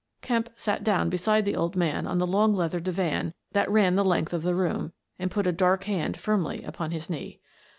" Kemp sat down beside the old man on the long leather divan that ran the length of the room, and put a dark hand firmly upon his knee.